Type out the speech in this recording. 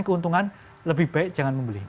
keuntungan lebih baik jangan membeli